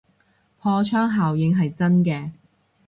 破窗效應係真嘅